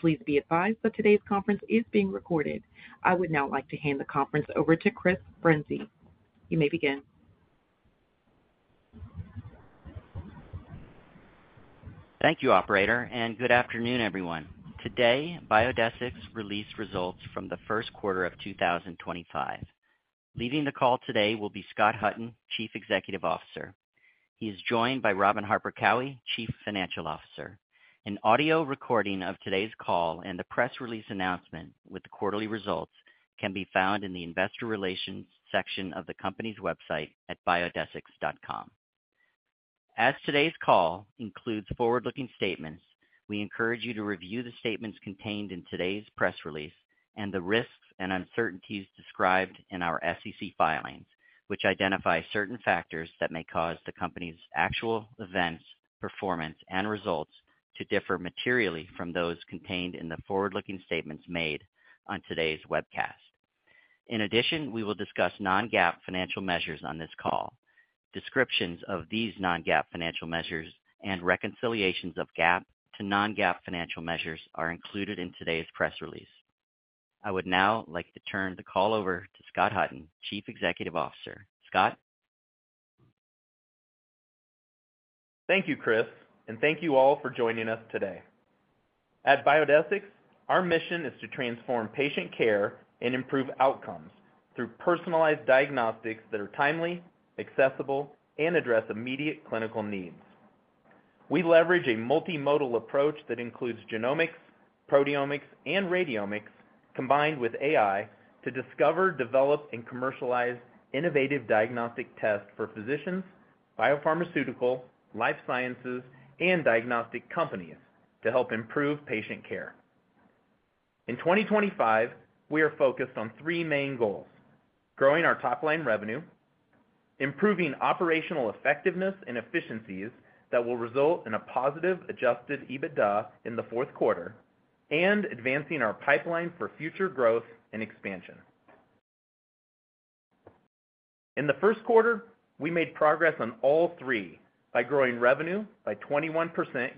Please be advised that today's conference is being recorded. I would now like to hand the conference over to Chris Brinzey. You may begin. Thank you, Operator, and good afternoon, everyone. Today, Biodesix released results from the first quarter of 2025. Leading the call today will be Scott Hutton, Chief Executive Officer. He is joined by Robin Harper Cowie, Chief Financial Officer. An audio recording of today's call and the press release announcement with the quarterly results can be found in the Investor Relations section of the company's website at biodesix.com. As today's call includes forward-looking statements, we encourage you to review the statements contained in today's press release and the risks and uncertainties described in our SEC filings, which identify certain factors that may cause the company's actual events, performance, and results to differ materially from those contained in the forward-looking statements made on today's webcast. In addition, we will discuss non-GAAP financial measures on this call. Descriptions of these non-GAAP financial measures and reconciliations of GAAP to non-GAAP financial measures are included in today's press release. I would now like to turn the call over to Scott Hutton, Chief Executive Officer. Scott? Thank you, Chris, and thank you all for joining us today. At Biodesix, our mission is to transform patient care and improve outcomes through personalized diagnostics that are timely, accessible, and address immediate clinical needs. We leverage a multimodal approach that includes genomics, proteomics, and radiomics, combined with AI, to discover, develop, and commercialize innovative diagnostic tests for physicians, biopharmaceutical, life sciences, and diagnostic companies to help improve patient care. In 2025, we are focused on three main goals: growing our top-line revenue, improving operational effectiveness and efficiencies that will result in a positive adjusted EBITDA in the fourth quarter, and advancing our pipeline for future growth and expansion. In the first quarter, we made progress on all three by growing revenue by 21%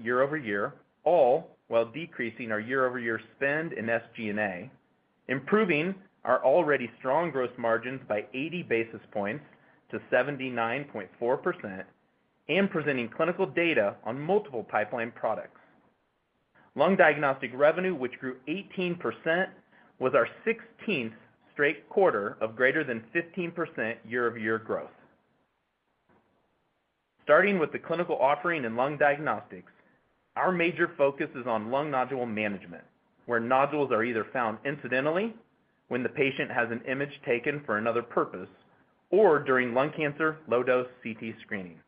year-over-year, all while decreasing our year-over-year spend in SG&A, improving our already strong gross margins by 80 basis points to 79.4%, and presenting clinical data on multiple pipeline products. Lung diagnostic revenue, which grew 18%, was our 16th straight quarter of greater than 15% year-over-year growth. Starting with the clinical offering in lung diagnostics, our major focus is on lung nodule management, where nodules are either found incidentally when the patient has an image taken for another purpose or during lung cancer low-dose CT screening.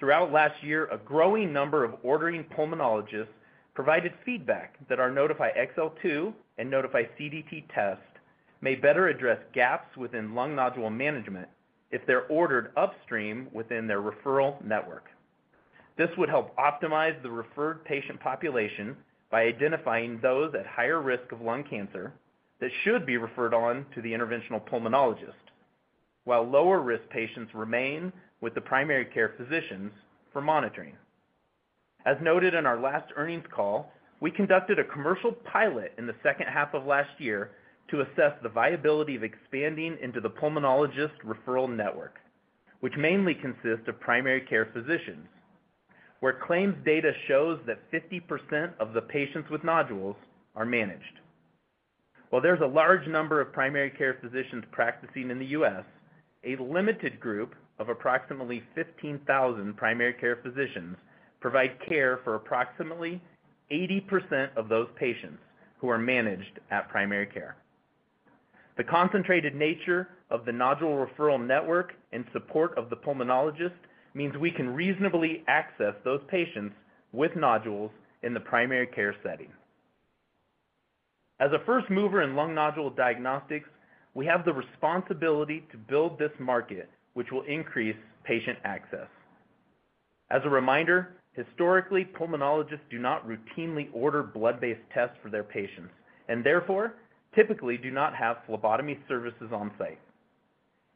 Throughout last year, a growing number of ordering pulmonologists provided feedback that our Nodify XL2 and Nodify CDT tests may better address gaps within lung nodule management if they're ordered upstream within their referral network. This would help optimize the referred patient population by identifying those at higher risk of lung cancer that should be referred on to the interventional pulmonologist, while lower-risk patients remain with the primary care physicians for monitoring. As noted in our last earnings call, we conducted a commercial pilot in the second half of last year to assess the viability of expanding into the pulmonologist referral network, which mainly consists of primary care physicians, where claims data shows that 50% of the patients with nodules are managed. While there's a large number of primary care physicians practicing in the U.S., a limited group of approximately 15,000 primary care physicians provides care for approximately 80% of those patients who are managed at primary care. The concentrated nature of the nodule referral network and support of the pulmonologist means we can reasonably access those patients with nodules in the primary care setting. As a first mover in lung nodule diagnostics, we have the responsibility to build this market, which will increase patient access. As a reminder, historically, pulmonologists do not routinely order blood-based tests for their patients and therefore typically do not have phlebotomy services on-site.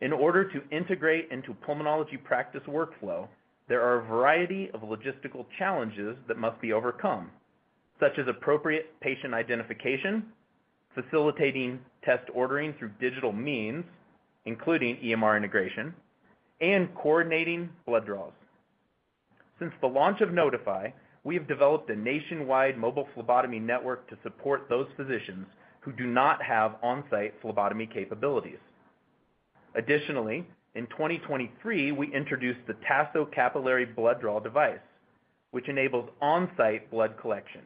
In order to integrate into pulmonology practice workflow, there are a variety of logistical challenges that must be overcome, such as appropriate patient identification, facilitating test ordering through digital means, including EMR integration, and coordinating blood draws. Since the launch of Nodify, we have developed a nationwide mobile phlebotomy network to support those physicians who do not have on-site phlebotomy capabilities. Additionally, in 2023, we introduced the Tasso Capillary Blood Draw device, which enables on-site blood collection.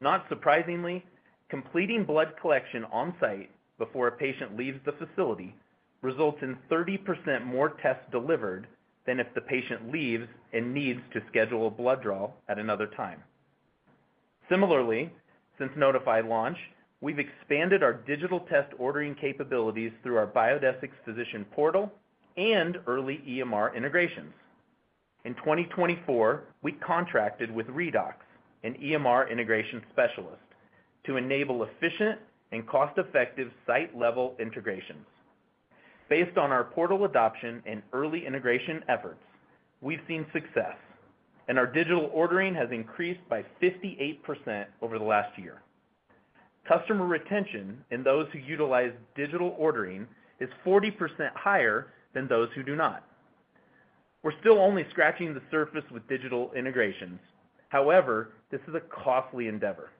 Not surprisingly, completing blood collection on-site before a patient leaves the facility results in 30% more tests delivered than if the patient leaves and needs to schedule a blood draw at another time. Similarly, since Nodify launch, we've expanded our digital test ordering capabilities through our Biodesix Physician Portal and early EMR integrations. In 2024, we contracted with Redox, an EMR integration specialist, to enable efficient and cost-effective site-level integrations. Based on our portal adoption and early integration efforts, we've seen success, and our digital ordering has increased by 58% over the last year. Customer retention in those who utilize digital ordering is 40% higher than those who do not. We're still only scratching the surface with digital integrations. However, this is a costly endeavor.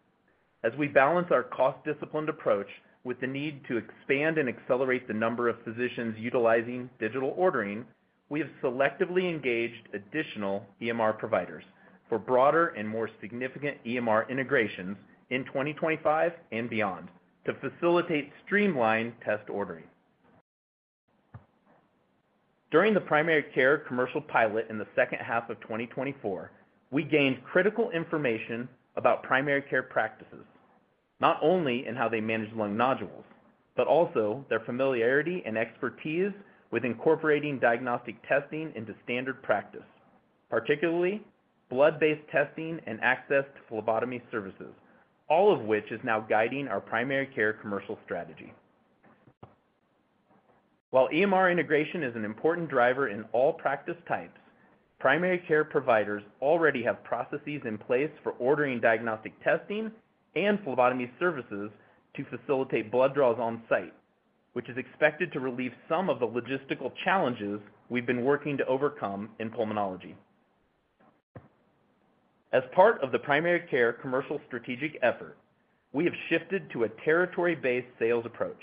As we balance our cost-disciplined approach with the need to expand and accelerate the number of physicians utilizing digital ordering, we have selectively engaged additional EMR providers for broader and more significant EMR integrations in 2025 and beyond to facilitate streamlined test ordering. During the primary care commercial pilot in the second half of 2024, we gained critical information about primary care practices, not only in how they manage lung nodules, but also their familiarity and expertise with incorporating diagnostic testing into standard practice, particularly blood-based testing and access to phlebotomy services, all of which is now guiding our primary care commercial strategy. While EMR integration is an important driver in all practice types, primary care providers already have processes in place for ordering diagnostic testing and phlebotomy services to facilitate blood draws on-site, which is expected to relieve some of the logistical challenges we've been working to overcome in pulmonology. As part of the primary care commercial strategic effort, we have shifted to a territory-based sales approach.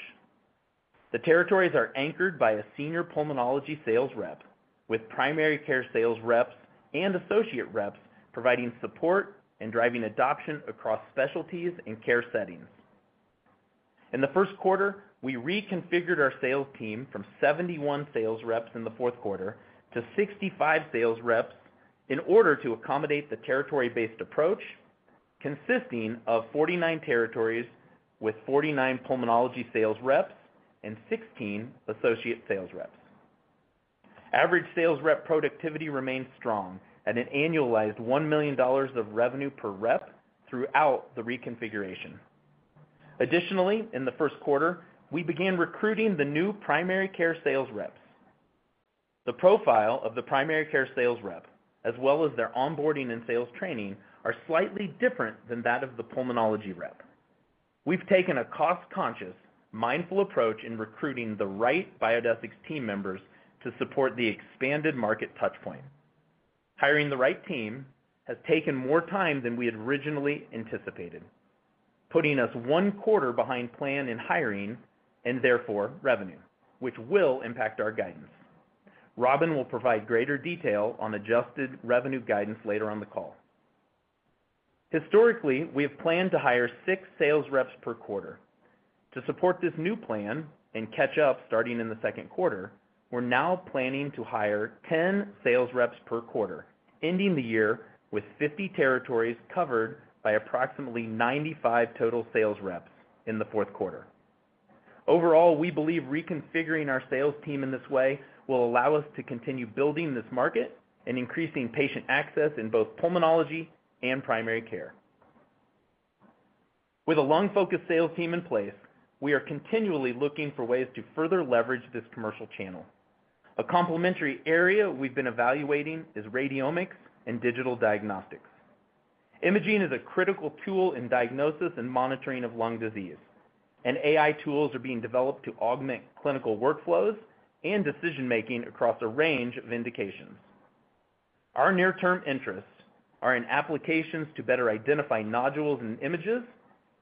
The territories are anchored by a senior pulmonology sales rep, with primary care sales reps and associate reps providing support and driving adoption across specialties and care settings. In the first quarter, we reconfigured our sales team from 71 sales reps in the fourth quarter to 65 sales reps in order to accommodate the territory-based approach, consisting of 49 territories with 49 pulmonology sales reps and 16 associate sales reps. Average sales rep productivity remained strong, and it annualized $1 million of revenue per rep throughout the reconfiguration. Additionally, in the first quarter, we began recruiting the new primary care sales reps. The profile of the primary care sales rep, as well as their onboarding and sales training, are slightly different than that of the pulmonology rep. We've taken a cost-conscious, mindful approach in recruiting the right Biodesix team members to support the expanded market touchpoint. Hiring the right team has taken more time than we had originally anticipated, putting us one quarter behind plan in hiring and therefore revenue, which will impact our guidance. Robin will provide greater detail on adjusted revenue guidance later on the call. Historically, we have planned to hire six sales reps per quarter. To support this new plan and catch up starting in the second quarter, we're now planning to hire 10 sales reps per quarter, ending the year with 50 territories covered by approximately 95 total sales reps in the fourth quarter. Overall, we believe reconfiguring our sales team in this way will allow us to continue building this market and increasing patient access in both pulmonology and primary care. With a lung-focused sales team in place, we are continually looking for ways to further leverage this commercial channel. A complementary area we've been evaluating is radiomics and digital diagnostics. Imaging is a critical tool in diagnosis and monitoring of lung disease, and AI tools are being developed to augment clinical workflows and decision-making across a range of indications. Our near-term interests are in applications to better identify nodules in images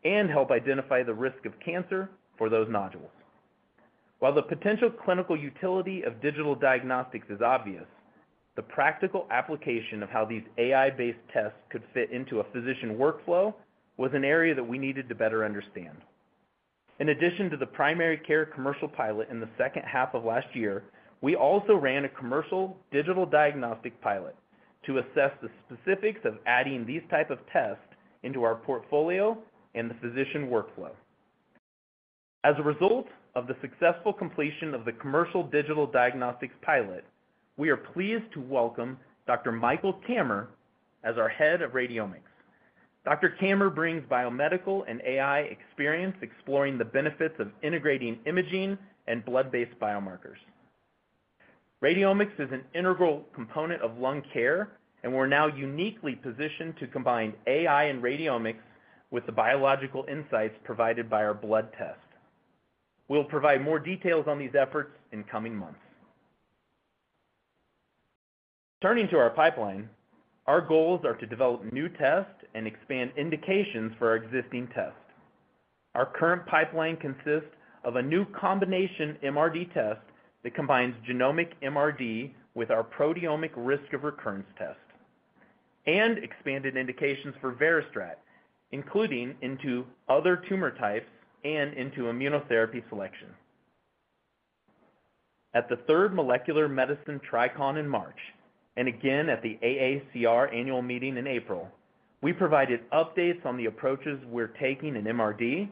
and help identify the risk of cancer for those nodules. While the potential clinical utility of digital diagnostics is obvious, the practical application of how these AI-based tests could fit into a physician workflow was an area that we needed to better understand. In addition to the primary care commercial pilot in the second half of last year, we also ran a commercial digital diagnostic pilot to assess the specifics of adding these types of tests into our portfolio and the physician workflow. As a result of the successful completion of the commercial digital diagnostics pilot, we are pleased to welcome Dr. Michael Kammer as our Head of Radiomics. Dr. Kammer brings biomedical and AI experience exploring the benefits of integrating imaging and blood-based biomarkers. Radiomics is an integral component of lung care, and we're now uniquely positioned to combine AI and radiomics with the biological insights provided by our blood test. We'll provide more details on these efforts in coming months. Turning to our pipeline, our goals are to develop new tests and expand indications for our existing tests. Our current pipeline consists of a new combination MRD test that combines genomic MRD with our proteomic risk of recurrence test and expanded indications for VeriStrat, including into other tumor types and into immunotherapy selection. At the third Molecular Medicine Tri-Con in March and again at the AACR annual meeting in April, we provided updates on the approaches we're taking in MRD,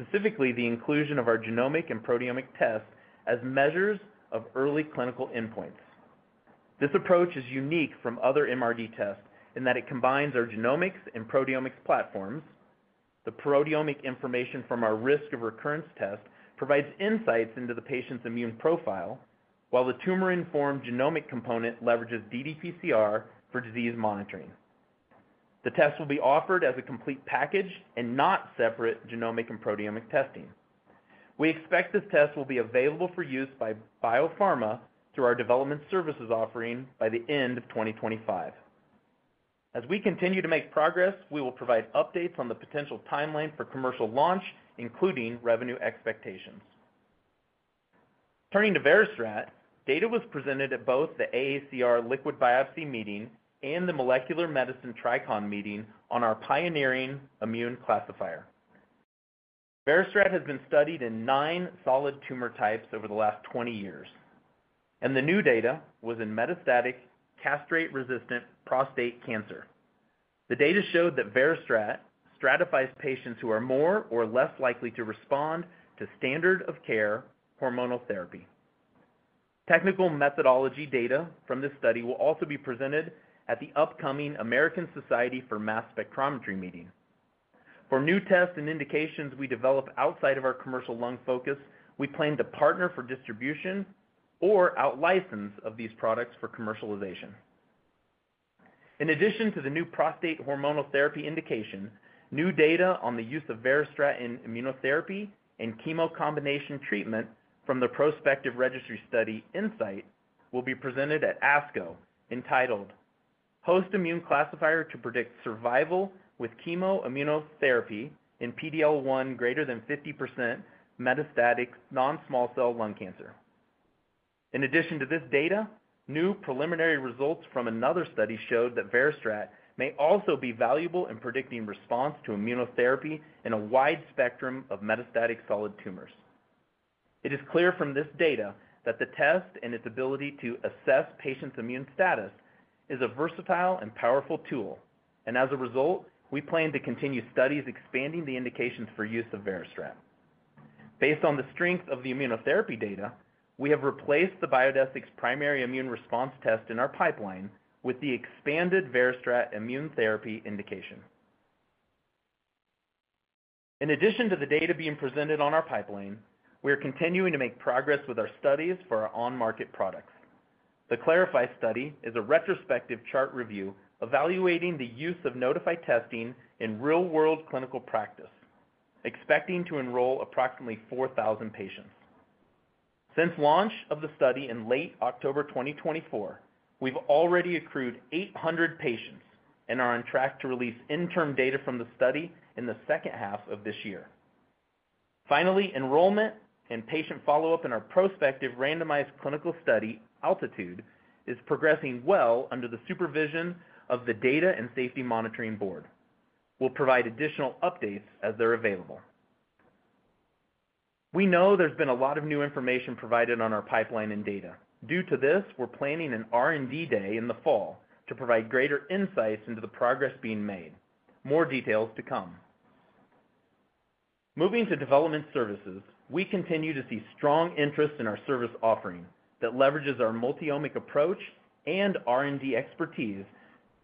specifically the inclusion of our genomic and proteomic tests as measures of early clinical endpoints. This approach is unique from other MRD tests in that it combines our genomics and proteomics platforms. The proteomic information from our risk of recurrence test provides insights into the patient's immune profile, while the tumor-informed genomic component leverages ddPCR for disease monitoring. The test will be offered as a complete package and not separate genomic and proteomic testing. We expect this test will be available for use by biopharma through our development services offering by the end of 2025. As we continue to make progress, we will provide updates on the potential timeline for commercial launch, including revenue expectations. Turning to VeriStrat, data was presented at both the AACR liquid biopsy meeting and the Molecular Medicine Tri-Con meeting on our pioneering immune classifier. VeriStrat has been studied in nine solid tumor types over the last 20 years, and the new data was in metastatic castrate-resistant prostate cancer. The data showed that VeriStrat stratifies patients who are more or less likely to respond to standard-of-care hormonal therapy. Technical methodology data from this study will also be presented at the upcoming American Society for Mass Spectrometry meeting. For new tests and indications we develop outside of our commercial lung focus, we plan to partner for distribution or out-license these products for commercialization. In addition to the new prostate hormonal therapy indication, new data on the use of VeriStrat in immunotherapy and chemocombination treatment from the prospective registry study Insight will be presented at ASCO, entitled "Host Immune Classifier to Predict Survival with Chemoimmunotherapy in PD-L1 > 50% Metastatic Non-Small Cell Lung Cancer." In addition to this data, new preliminary results from another study showed that VeriStrat may also be valuable in predicting response to immunotherapy in a wide spectrum of metastatic solid tumors. It is clear from this data that the test and its ability to assess patients' immune status is a versatile and powerful tool, and as a result, we plan to continue studies expanding the indications for use of VeriStrat. Based on the strength of the immunotherapy data, we have replaced the Biodesix primary immune response test in our pipeline with the expanded Veristrat immunotherapy indication. In addition to the data being presented on our pipeline, we are continuing to make progress with our studies for our on-market products. The Clarify study is a retrospective chart review evaluating the use of Nodify testing in real-world clinical practice, expecting to enroll approximately 4,000 patients. Since launch of the study in late October 2024, we've already accrued 800 patients and are on track to release interim data from the study in the second half of this year. Finally, enrollment and patient follow-up in our prospective randomized clinical study, Altitude, is progressing well under the supervision of the Data and Safety Monitoring Board. We'll provide additional updates as they're available. We know there's been a lot of new information provided on our pipeline and data. Due to this, we're planning an R&D day in the fall to provide greater insights into the progress being made. More details to come. Moving to development services, we continue to see strong interest in our service offering that leverages our multi-omic approach and R&D expertise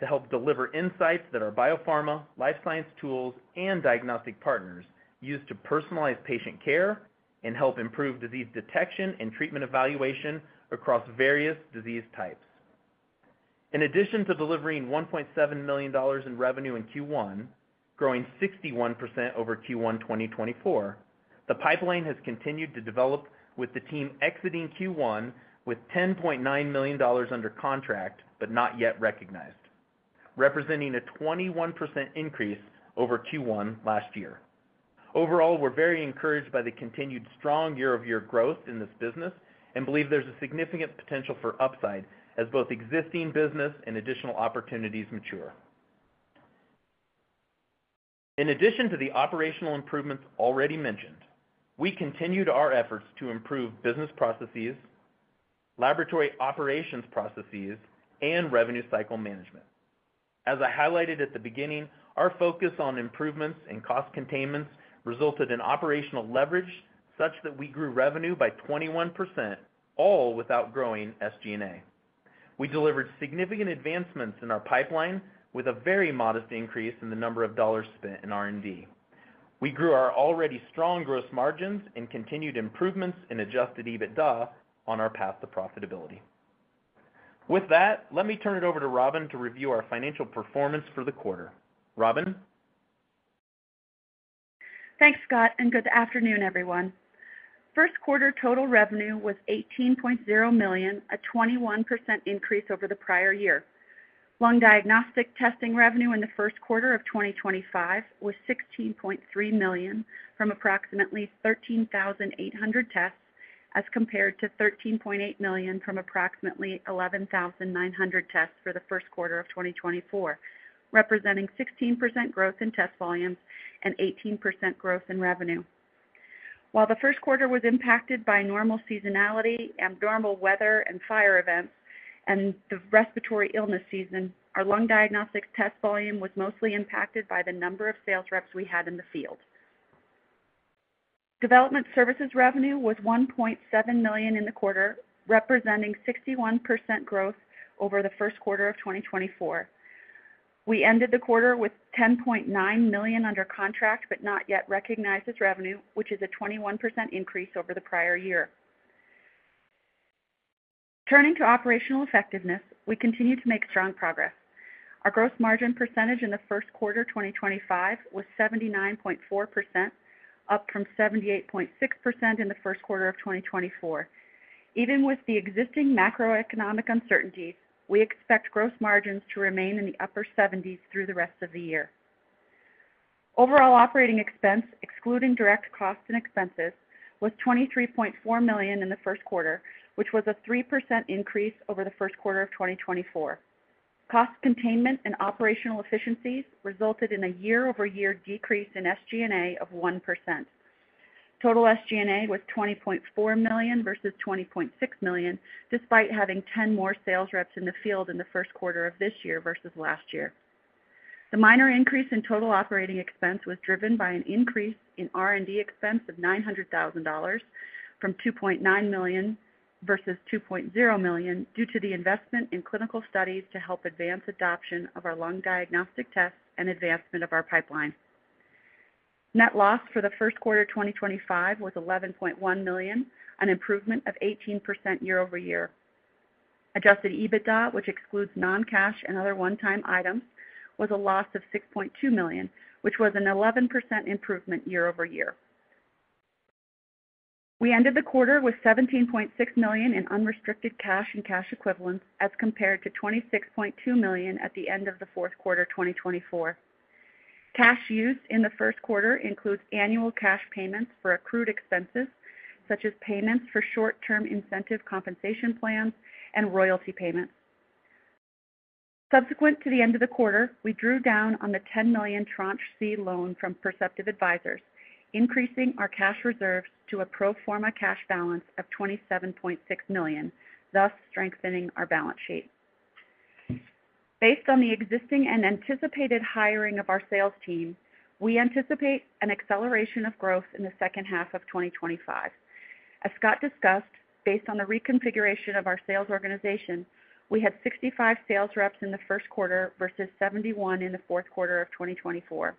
to help deliver insights that our biopharma, life science tools, and diagnostic partners use to personalize patient care and help improve disease detection and treatment evaluation across various disease types. In addition to delivering $1.7 million in revenue in Q1, growing 61% over Q1 2024, the pipeline has continued to develop with the team exiting Q1 with $10.9 million under contract but not yet recognized, representing a 21% increase over Q1 last year. Overall, we're very encouraged by the continued strong year-over-year growth in this business and believe there's significant potential for upside as both existing business and additional opportunities mature. In addition to the operational improvements already mentioned, we continue our efforts to improve business processes, laboratory operations processes, and revenue cycle management. As I highlighted at the beginning, our focus on improvements and cost containment resulted in operational leverage such that we grew revenue by 21%, all without growing SG&A. We delivered significant advancements in our pipeline with a very modest increase in the number of dollars spent in R&D. We grew our already strong gross margins and continued improvements in adjusted EBITDA on our path to profitability. With that, let me turn it over to Robin to review our financial performance for the quarter. Robin? Thanks, Scott, and good afternoon, everyone. First quarter total revenue was $18.0 million, a 21% increase over the prior year. Lung diagnostic testing revenue in the first quarter of 2025 was $16.3 million from approximately 13,800 tests as compared to $13.8 million from approximately 11,900 tests for the first quarter of 2024, representing 16% growth in test volumes and 18% growth in revenue. While the first quarter was impacted by normal seasonality and abnormal weather and fire events and the respiratory illness season, our lung diagnostics test volume was mostly impacted by the number of sales reps we had in the field. Development services revenue was $1.7 million in the quarter, representing 61% growth over the first quarter of 2024. We ended the quarter with $10.9 million under contract but not yet recognized as revenue, which is a 21% increase over the prior year. Turning to operational effectiveness, we continue to make strong progress. Our gross margin percentage in the first quarter of 2025 was 79.4%, up from 78.6% in the first quarter of 2024. Even with the existing macroeconomic uncertainties, we expect gross margins to remain in the upper 70s through the rest of the year. Overall operating expense, excluding direct costs and expenses, was $23.4 million in the first quarter, which was a 3% increase over the first quarter of 2024. Cost containment and operational efficiencies resulted in a year-over-year decrease in SG&A of 1%. Total SG&A was $20.4 million versus $20.6 million, despite having 10 more sales reps in the field in the first quarter of this year versus last year. The minor increase in total operating expense was driven by an increase in R&D expense of $900,000 from $2.9 million versus $2.0 million due to the investment in clinical studies to help advance adoption of our lung diagnostic tests and advancement of our pipeline. Net loss for the first quarter of 2025 was $11.1 million, an improvement of 18% year-over-year. Adjusted EBITDA, which excludes non-cash and other one-time items, was a loss of $6.2 million, which was an 11% improvement year-over-year. We ended the quarter with $17.6 million in unrestricted cash and cash equivalents as compared to $26.2 million at the end of the fourth quarter of 2024. Cash use in the first quarter includes annual cash payments for accrued expenses, such as payments for short-term incentive compensation plans and royalty payments. Subsequent to the end of the quarter, we drew down on the $10 million tranche C loan from Perceptive Advisors, increasing our cash reserves to a pro forma cash balance of $27.6 million, thus strengthening our balance sheet. Based on the existing and anticipated hiring of our sales team, we anticipate an acceleration of growth in the second half of 2025. As Scott discussed, based on the reconfiguration of our sales organization, we had 65 sales reps in the first quarter versus 71 in the fourth quarter of 2024.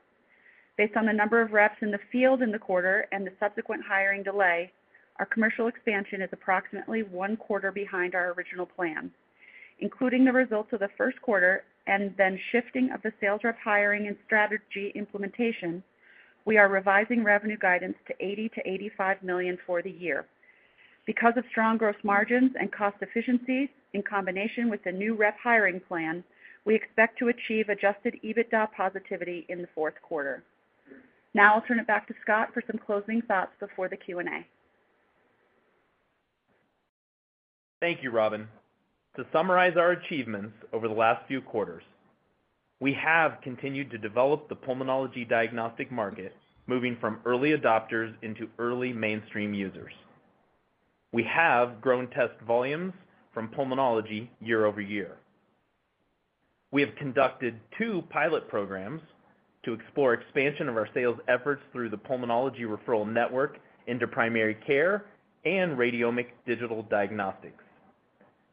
Based on the number of reps in the field in the quarter and the subsequent hiring delay, our commercial expansion is approximately one quarter behind our original plan. Including the results of the first quarter and then shifting of the sales rep hiring and strategy implementation, we are revising revenue guidance to $80 million-$85 million for the year. Because of strong gross margins and cost efficiencies in combination with the new rep hiring plan, we expect to achieve adjusted EBITDA positivity in the fourth quarter. Now I'll turn it back to Scott for some closing thoughts before the Q&A. Thank you, Robin. To summarize our achievements over the last few quarters, we have continued to develop the pulmonology diagnostic market, moving from early adopters into early mainstream users. We have grown test volumes from pulmonology year-over-year. We have conducted two pilot programs to explore expansion of our sales efforts through the pulmonology referral network into primary care and radiomic digital diagnostics.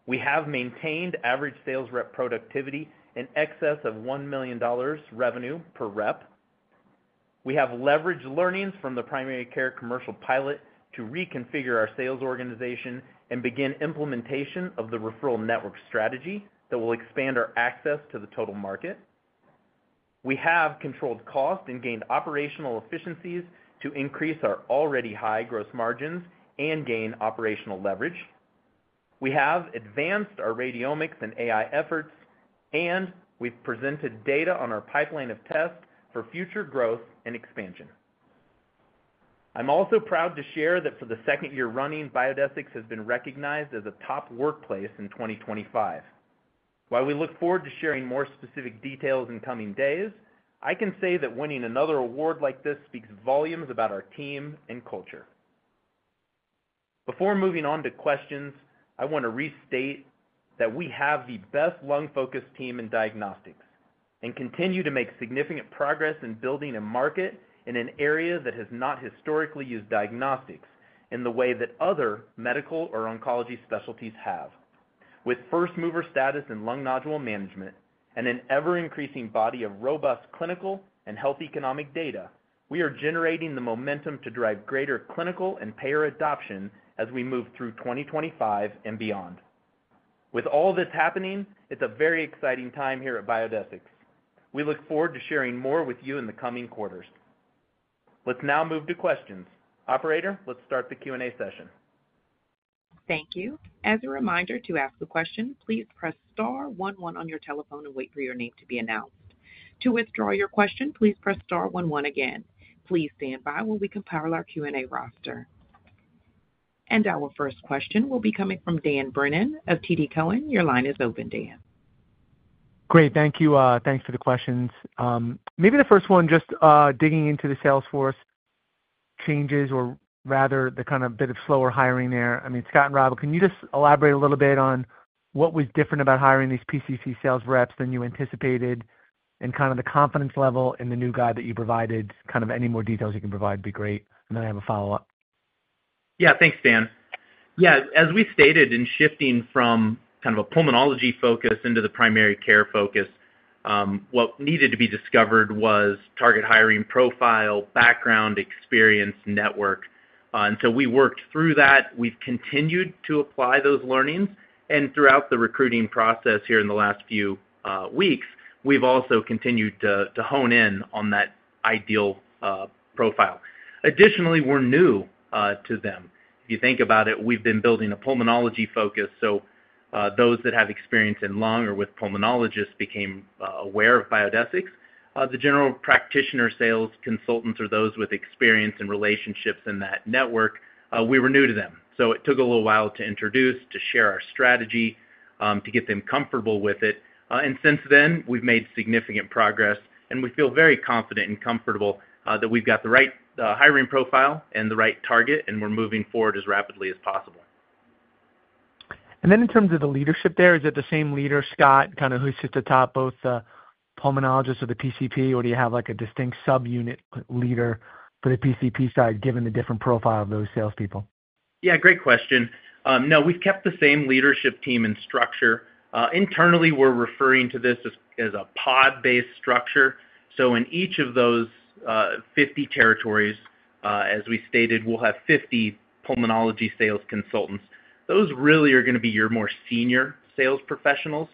We have maintained average sales rep productivity in excess of $1 million revenue per rep. We have leveraged learnings from the primary care commercial pilot to reconfigure our sales organization and begin implementation of the referral network strategy that will expand our access to the total market. We have controlled costs and gained operational efficiencies to increase our already high gross margins and gain operational leverage. We have advanced our radiomics and AI efforts, and we've presented data on our pipeline of tests for future growth and expansion. I'm also proud to share that for the second year running, Biodesix has been recognized as a top workplace in 2024. While we look forward to sharing more specific details in coming days, I can say that winning another award like this speaks volumes about our team and culture. Before moving on to questions, I want to restate that we have the best lung-focused team in diagnostics and continue to make significant progress in building a market in an area that has not historically used diagnostics in the way that other medical or oncology specialties have. With first-mover status in lung nodule management and an ever-increasing body of robust clinical and health economic data, we are generating the momentum to drive greater clinical and payer adoption as we move through 2025 and beyond. With all this happening, it is a very exciting time here at Biodesix. We look forward to sharing more with you in the coming quarters. Let's now move to questions. Operator, let's start the Q&A session. Thank you. As a reminder to ask a question, please press star one one on your telephone and wait for your name to be announced. To withdraw your question, please press star one one again. Please stand by while we compile our Q&A roster. Our first question will be coming from Dan Brennan of TD Cowen. Your line is open, Dan. Great. Thank you. Thanks for the questions. Maybe the first one, just digging into the Salesforce changes, or rather the kind of bit of slower hiring there. I mean, Scott and Robin, can you just elaborate a little bit on what was different about hiring these PCC sales reps than you anticipated and kind of the confidence level in the new guy that you provided? Kind of any more details you can provide would be great. I have a follow-up. Yeah. Thanks, Dan. Yeah. As we stated in shifting from kind of a pulmonology focus into the primary care focus, what needed to be discovered was target hiring profile, background, experience, network. We worked through that. We have continued to apply those learnings. Throughout the recruiting process here in the last few weeks, we have also continued to hone in on that ideal profile. Additionally, we are new to them. If you think about it, we've been building a pulmonology focus. So those that have experience in lung or with pulmonologists became aware of Biodesix. The general practitioner sales consultants are those with experience and relationships in that network. We were new to them. It took a little while to introduce, to share our strategy, to get them comfortable with it. Since then, we've made significant progress. We feel very confident and comfortable that we've got the right hiring profile and the right target, and we're moving forward as rapidly as possible. In terms of the leadership there, is it the same leader, Scott, kind of who sits atop both the pulmonologist or the PCP, or do you have like a distinct subunit leader for the PCP side given the different profile of those salespeople? Yeah. Great question. No, we've kept the same leadership team and structure. Internally, we're referring to this as a pod-based structure. In each of those 50 territories, as we stated, we'll have 50 pulmonology sales consultants. Those really are going to be your more senior sales professionals.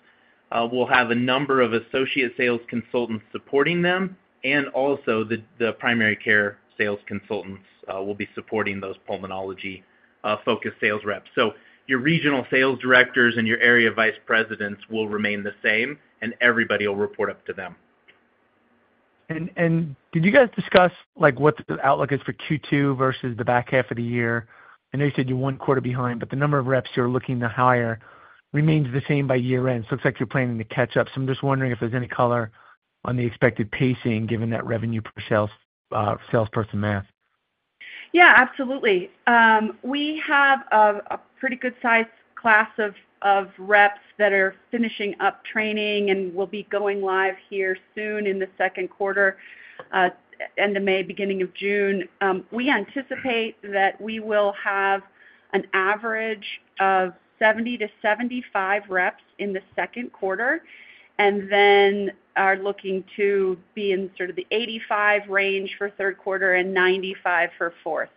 We'll have a number of associate sales consultants supporting them. Also, the primary care sales consultants will be supporting those pulmonology-focused sales reps. Your regional sales directors and your area vice presidents will remain the same, and everybody will report up to them. Did you guys discuss what the outlook is for Q2 versus the back half of the year? I know you said you're one quarter behind, but the number of reps you're looking to hire remains the same by year-end. It looks like you're planning to catch up. I'm just wondering if there's any color on the expected pacing given that revenue per salesperson math. Yeah. Absolutely. We have a pretty good size class of reps that are finishing up training and will be going live here soon in the second quarter, end of May, beginning of June. We anticipate that we will have an average of 70-75 reps in the second quarter and then are looking to be in sort of the 85 range for third quarter and 95 for fourth.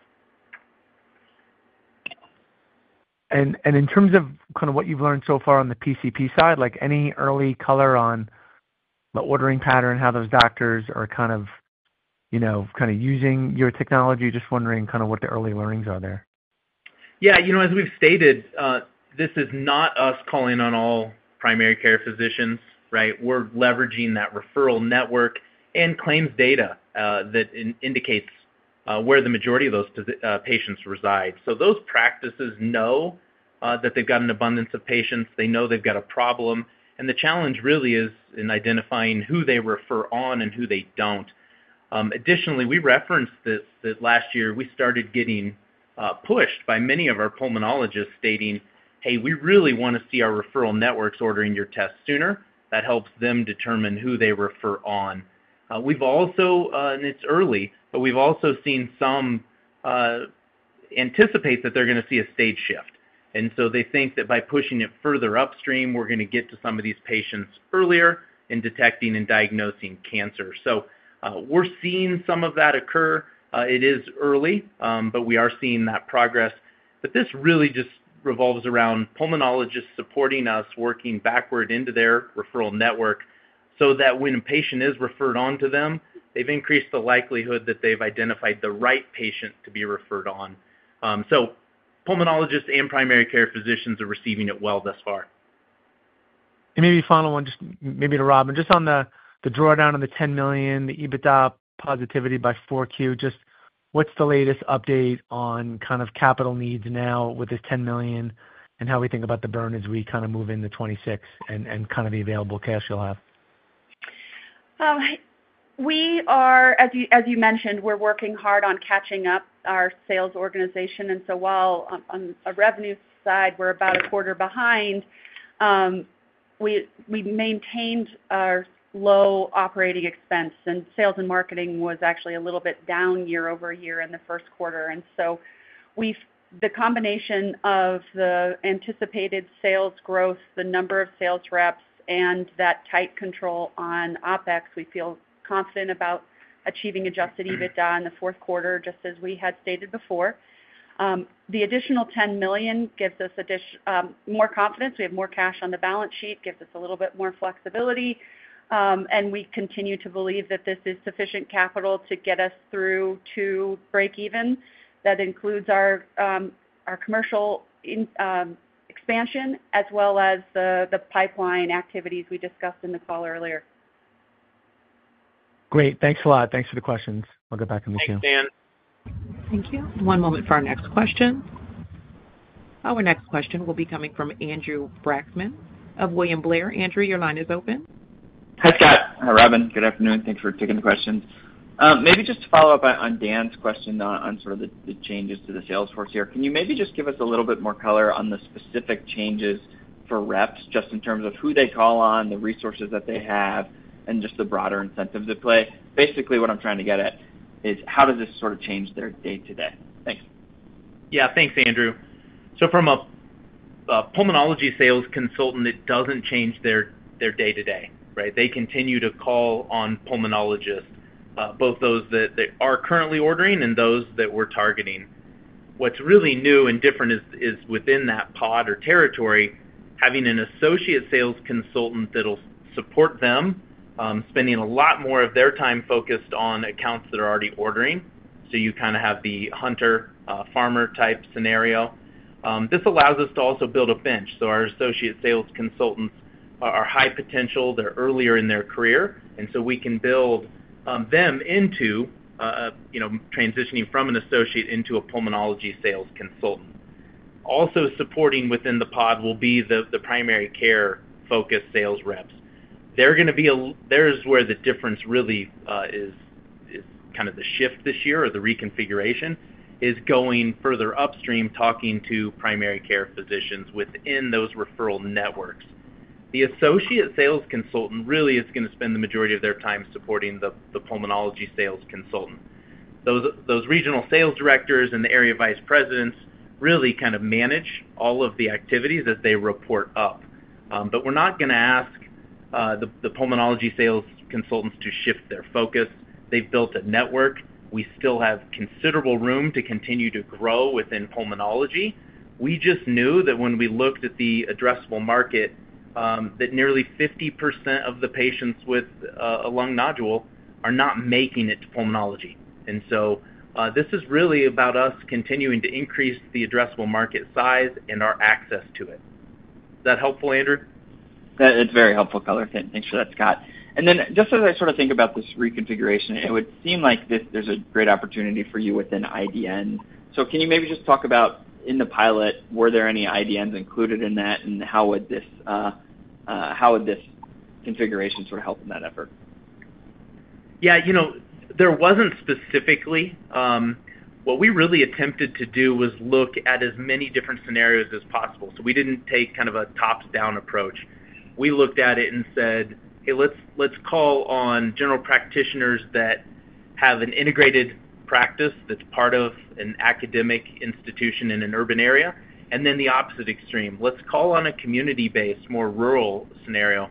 In terms of kind of what you've learned so far on the PCP side, any early color on the ordering pattern, how those doctors are kind of using your technology? Just wondering kind of what the early learnings are there. Yeah. As we've stated, this is not us calling on all primary care physicians, right? We're leveraging that referral network and claims data that indicates where the majority of those patients reside. Those practices know that they've got an abundance of patients. They know they've got a problem. The challenge really is in identifying who they refer on and who they do not. Additionally, we referenced this last year. We started getting pushed by many of our pulmonologists stating, "Hey, we really want to see our referral networks ordering your tests sooner." That helps them determine who they refer on. It is early, but we've also seen some anticipate that they're going to see a stage shift. They think that by pushing it further upstream, we're going to get to some of these patients earlier in detecting and diagnosing cancer. We are seeing some of that occur. It is early, but we are seeing that progress. This really just revolves around pulmonologists supporting us, working backward into their referral network so that when a patient is referred on to them, they've increased the likelihood that they've identified the right patient to be referred on. Pulmonologists and primary care physicians are receiving it well thus far. Maybe final one, just maybe to Robin, just on the drawdown of the $10 million, the EBITDA positivity by Q4, just what's the latest update on kind of capital needs now with this $10 million and how we think about the burn as we kind of move into 2026 and kind of the available cash you'll have? As you mentioned, we're working hard on catching up our sales organization. While on the revenue side, we're about a quarter behind, we maintained our low operating expense. Sales and marketing was actually a little bit down year-over-year in the first quarter. The combination of the anticipated sales growth, the number of sales reps, and that tight control on OpEx, we feel confident about achieving adjusted EBITDA in the fourth quarter, just as we had stated before. The additional $10 million gives us more confidence. We have more cash on the balance sheet, gives us a little bit more flexibility. We continue to believe that this is sufficient capital to get us through to break-even. That includes our commercial expansion as well as the pipeline activities we discussed in the call earlier. Great. Thanks a lot. Thanks for the questions. I'll get back to Michelle. Thanks, Dan. Thank you. One moment for our next question. Our next question will be coming from Andrew Brackmann of William Blair. Andrew, your line is open. Hi, Scott. Hi, Robin. Good afternoon. Thanks for taking the questions. Maybe just to follow up on Dan's question on sort of the changes to the Salesforce here, can you maybe just give us a little bit more color on the specific changes for reps just in terms of who they call on, the resources that they have, and just the broader incentives at play? Basically, what I'm trying to get at is how does this sort of change their day-to-day? Thanks. Yeah. Thanks, Andrew. From a pulmonology sales consultant, it doesn't change their day-to-day, right? They continue to call on pulmonologists, both those that are currently ordering and those that we're targeting. What's really new and different is within that pod or territory, having an associate sales consultant that'll support them, spending a lot more of their time focused on accounts that are already ordering. You kind of have the hunter-farmer type scenario. This allows us to also build a bench. Our associate sales consultants are high potential. They're earlier in their career. We can build them into transitioning from an associate into a pulmonology sales consultant. Also supporting within the pod will be the primary care-focused sales reps. There's where the difference really is, kind of the shift this year or the reconfiguration is going further upstream, talking to primary care physicians within those referral networks. The associate sales consultant really is going to spend the majority of their time supporting the pulmonology sales consultant. Those regional sales directors and the area vice presidents really kind of manage all of the activities as they report up. We're not going to ask the pulmonology sales consultants to shift their focus. They've built a network. We still have considerable room to continue to grow within pulmonology. We just knew that when we looked at the addressable market, that nearly 50% of the patients with a lung nodule are not making it to pulmonology. This is really about us continuing to increase the addressable market size and our access to it. Is that helpful, Andrew? It's very helpful, color. Thanks for that, Scott. Just as I sort of think about this reconfiguration, it would seem like there's a great opportunity for you within IDN. Can you maybe just talk about in the pilot, were there any IDNs included in that, and how would this configuration sort of help in that effort? Yeah. There wasn't specifically. What we really attempted to do was look at as many different scenarios as possible. We didn't take kind of a top-down approach. We looked at it and said, "Hey, let's call on general practitioners that have an integrated practice that's part of an academic institution in an urban area." The opposite extreme, let's call on a community-based, more rural scenario.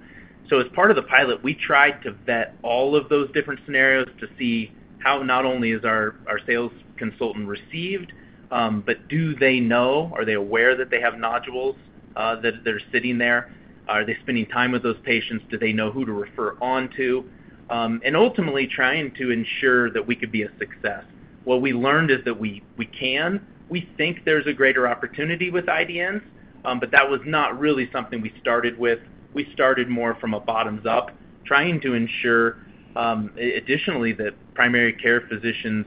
As part of the pilot, we tried to vet all of those different scenarios to see how not only is our sales consultant received, but do they know? Are they aware that they have nodules that they're sitting there? Are they spending time with those patients? Do they know who to refer on to? Ultimately, trying to ensure that we could be a success. What we learned is that we can. We think there's a greater opportunity with IDNs, but that was not really something we started with. We started more from a bottoms-up, trying to ensure additionally that primary care physicians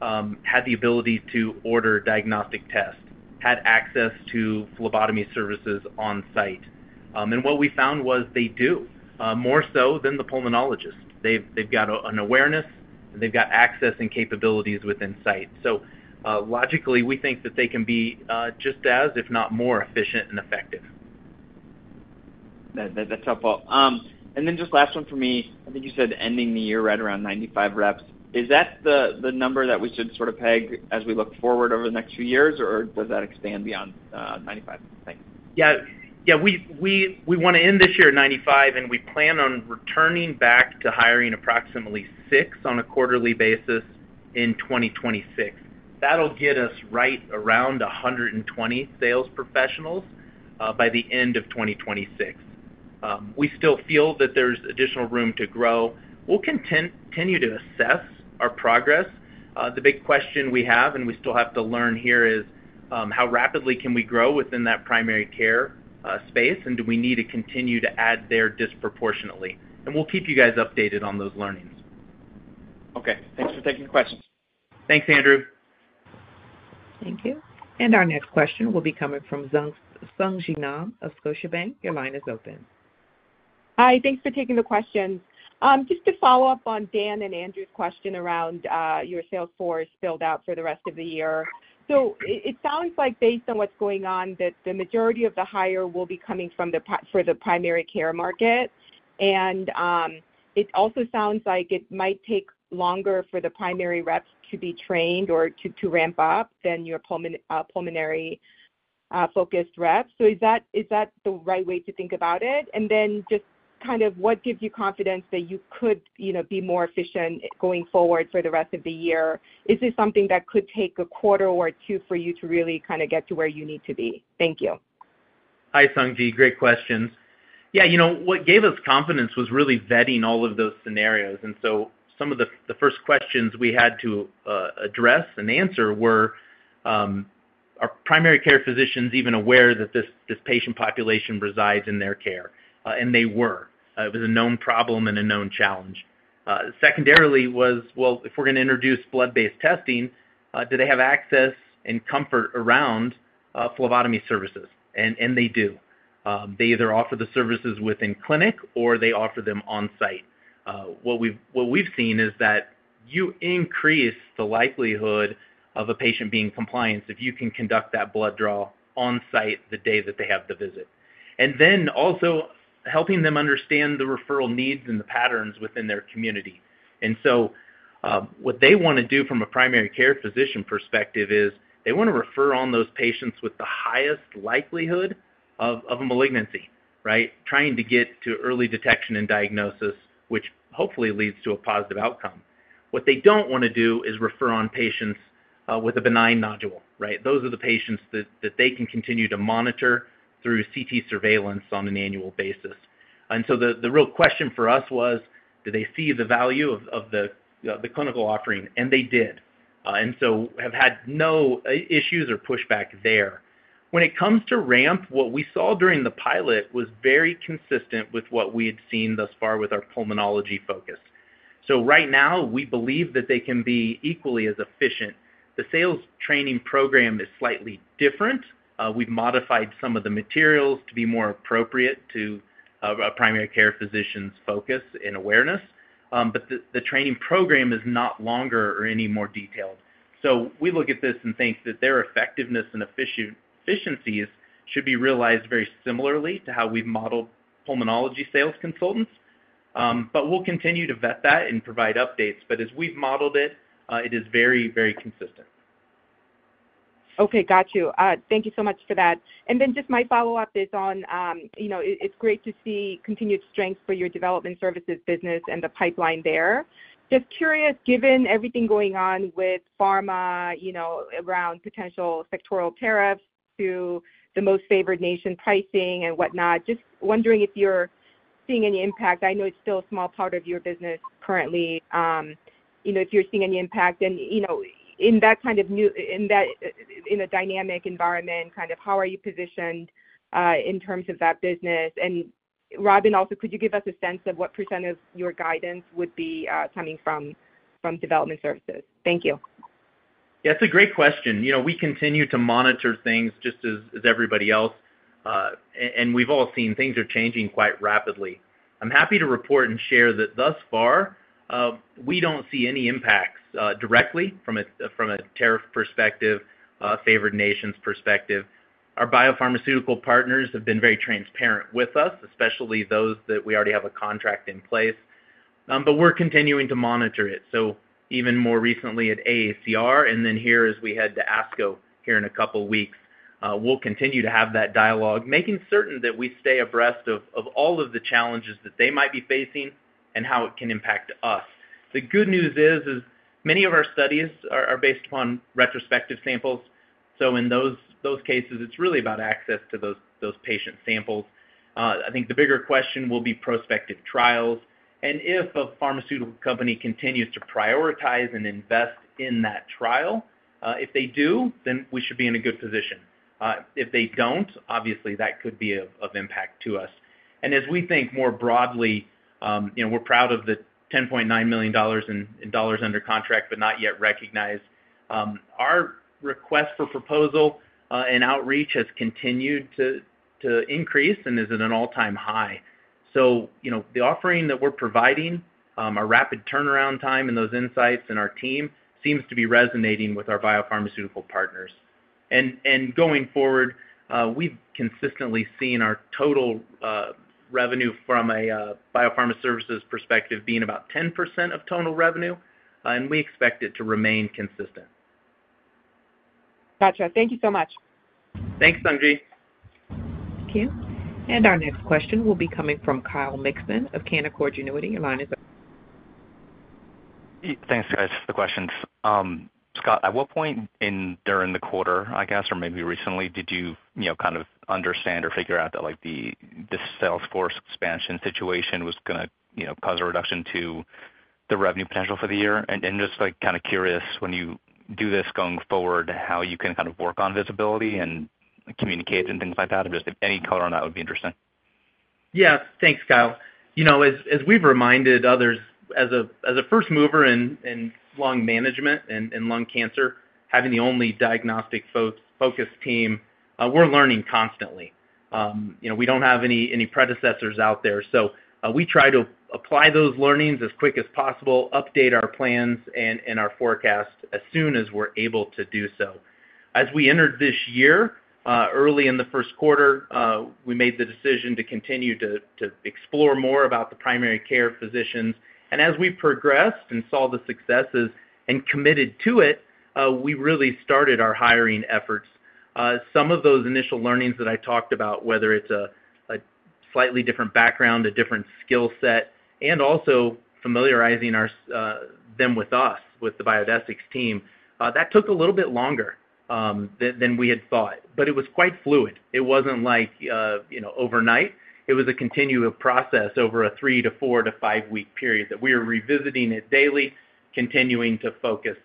had the ability to order diagnostic tests, had access to phlebotomy services on-site. What we found was they do more so than the pulmonologist. They have got an awareness, and they have got access and capabilities within-site. Logically, we think that they can be just as, if not more, efficient and effective. That is helpful. Just last one for me. I think you said ending the year right around 95 reps. Is that the number that we should sort of peg as we look forward over the next few years, or does that expand beyond 95? Thanks. Yeah. Yeah. We want to end this year at 95, and we plan on returning back to hiring approximately six on a quarterly basis in 2026. That'll get us right around 120 sales professionals by the end of 2026. We still feel that there's additional room to grow. We'll continue to assess our progress. The big question we have, and we still have to learn here, is how rapidly can we grow within that primary care space, and do we need to continue to add there disproportionately? We'll keep you guys updated on those learnings. Okay. Thanks for taking the questions. Thanks, Andrew. Thank you. Our next question will be coming from Sung Ji Nam of Scotiabank. Your line is open. Hi. Thanks for taking the questions. Just to follow up on Dan and Andrew's question around your Salesforce build-out for the rest of the year. It sounds like based on what's going on, that the majority of the hire will be coming for the primary care market. It also sounds like it might take longer for the primary reps to be trained or to ramp up than your pulmonary-focused reps. Is that the right way to think about it? What gives you confidence that you could be more efficient going forward for the rest of the year? Is this something that could take a quarter or two for you to really get to where you need to be? Thank you. Hi, Sung Ji. Great questions. Yeah. What gave us confidence was really vetting all of those scenarios. Some of the first questions we had to address and answer were, are primary care physicians even aware that this patient population resides in their care? They were. It was a known problem and a known challenge. Secondarily was, well, if we're going to introduce blood-based testing, do they have access and comfort around phlebotomy services? They do. They either offer the services within clinic or they offer them on-site. What we've seen is that you increase the likelihood of a patient being compliant if you can conduct that blood draw on-site the day that they have the visit. Also helping them understand the referral needs and the patterns within their community. What they want to do from a primary care physician perspective is they want to refer on those patients with the highest likelihood of a malignancy, right? Trying to get to early detection and diagnosis, which hopefully leads to a positive outcome. What they do not want to do is refer on patients with a benign nodule, right? Those are the patients that they can continue to monitor through CT surveillance on an annual basis. The real question for us was, do they see the value of the clinical offering? They did. They have had no issues or pushback there. When it comes to ramp, what we saw during the pilot was very consistent with what we had seen thus far with our pulmonology focus. Right now, we believe that they can be equally as efficient. The sales training program is slightly different. We have modified some of the materials to be more appropriate to primary care physicians' focus and awareness. The training program is not longer or any more detailed. We look at this and think that their effectiveness and efficiencies should be realized very similarly to how we have modeled pulmonology sales consultants. We will continue to vet that and provide updates. As we have modeled it, it is very, very consistent. Okay. Got you. Thank you so much for that. Just my follow-up is on, it is great to see continued strength for your development services business and the pipeline there. Just curious, given everything going on with pharma around potential sectoral tariffs to the most favored nation pricing and whatnot, just wondering if you are seeing any impact. I know it is still a small part of your business currently. If you are seeing any impact in that kind of new, in a dynamic environment, how are you positioned in terms of that business? Robin, also, could you give us a sense of what % of your guidance would be coming from development services? Thank you. Yeah. It is a great question. We continue to monitor things just as everybody else. We have all seen things are changing quite rapidly. I'm happy to report and share that thus far, we do not see any impacts directly from a tariff perspective, a favored nation's perspective. Our biopharmaceutical partners have been very transparent with us, especially those that we already have a contract in place. We are continuing to monitor it. Even more recently at AACR, and here as we head to ASCO in a couple of weeks, we will continue to have that dialogue, making certain that we stay abreast of all of the challenges that they might be facing and how it can impact us. The good news is many of our studies are based upon retrospective samples. In those cases, it is really about access to those patient samples. I think the bigger question will be prospective trials. If a pharmaceutical company continues to prioritize and invest in that trial, if they do, then we should be in a good position. If they do not, obviously, that could be of impact to us. As we think more broadly, we are proud of the $10.9 million under contract, but not yet recognized. Our request for proposal and outreach has continued to increase and is at an all-time high. The offering that we are providing, our rapid turnaround time and those insights, and our team seems to be resonating with our biopharmaceutical partners. Going forward, we have consistently seen our total revenue from a biopharma services perspective being about 10% of total revenue, and we expect it to remain consistent. Gotcha. Thank you so much. Thanks, Sung Ji. Thank you. Our next question will be coming from Kyle Mikson of Canaccord Genuity. Your line is up. Thanks, guys, for the questions. Scott, at what point during the quarter, I guess, or maybe recently, did you kind of understand or figure out that the Salesforce expansion situation was going to cause a reduction to the revenue potential for the year? Just kind of curious, when you do this going forward, how you can kind of work on visibility and communicate and things like that? Just any color on that would be interesting. Yeah. Thanks, Kyle. As we've reminded others, as a first mover in lung management and lung cancer, having the only diagnostic-focused team, we're learning constantly. We do not have any predecessors out there. We try to apply those learnings as quick as possible, update our plans and our forecast as soon as we're able to do so. As we entered this year, early in the first quarter, we made the decision to continue to explore more about the primary care physicians. As we progressed and saw the successes and committed to it, we really started our hiring efforts. Some of those initial learnings that I talked about, whether it is a slightly different background, a different skill set, and also familiarizing them with us, with the Biodesix team, that took a little bit longer than we had thought. It was quite fluid. It was not like overnight. It was a continuous process over a three- to four- to five-week period that we are revisiting daily, continuing to focus.